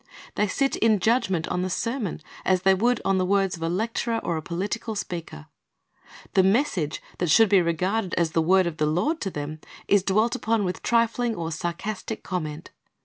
They sit in judgment on the sermon as they would on the words of a lecturer or a political speaker. The message that should be regarded as the word of the Lord to them is dwelt upon with trifling or sarcastic comment.